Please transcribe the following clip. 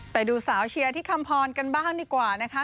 ไปดูสาวเชียร์ที่คำพรกันบ้างดีกว่านะคะ